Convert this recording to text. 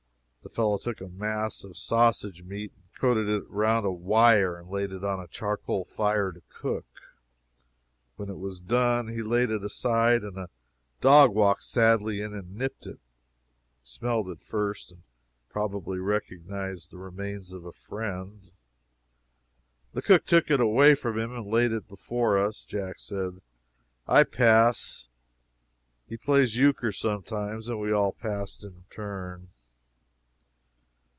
The fellow took a mass of sausage meat and coated it round a wire and laid it on a charcoal fire to cook. When it was done, he laid it aside and a dog walked sadly in and nipped it. He smelt it first, and probably recognized the remains of a friend. The cook took it away from him and laid it before us. Jack said, "I pass" he plays euchre sometimes and we all passed in turn.